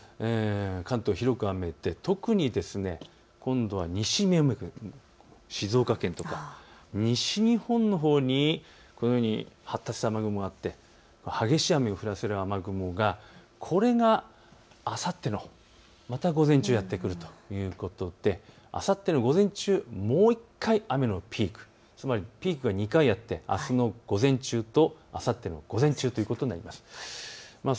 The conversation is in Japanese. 関東は広く雨で特に今度は西、静岡県西のほうに発達した雨雲があって激しい雨を降らせる雨雲がこれがあさっての午前中またやって来るということであさっての午前中、またもう１回雨のピーク、つまりピークは２回あってあすの午前中とあさっての午前中ということになります。